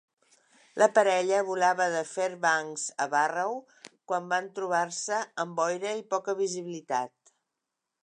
La parella volava de Fairbanks a Barrow quan van trobar-se amb boira i poca visibilitat.